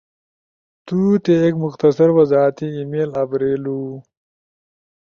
تو تے ایک مختصر وضاحتی ای میل آبریلو،